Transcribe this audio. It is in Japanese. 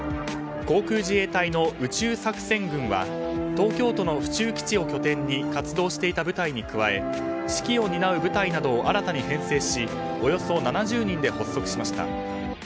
航空自衛隊の宇宙作戦群は東京都の府中基地を拠点に活動していた部隊に加え指揮を担う部隊などを新たに編成しおよそ７０人で発足しました。